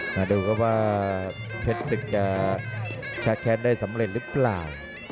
มาดูครับว่าเพชรศึกจะชาร์แค้นได้สำเร็จหรือเปล่า